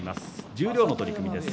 十両の取組です。